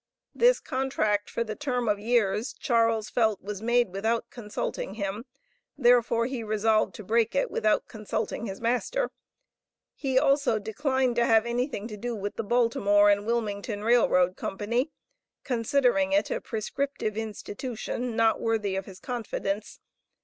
This contract for the term of years, Charles felt was made without consulting him, therefore he resolved to break it without consulting his master. He also declined to have anything to do with the Baltimore and Wilmington R.R. Co., considering it a prescriptive institution, not worthy of his confidence.